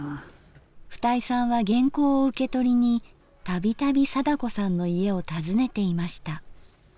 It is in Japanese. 二井さんは原稿を受け取りに度々貞子さんの家を訪ねていました。